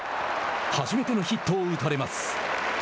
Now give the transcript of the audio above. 初めてのヒットを打たれます。